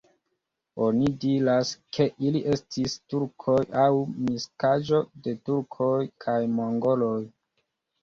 Oni diras, ke ili estis turkoj aŭ miksaĵo de turkoj kaj mongoloj.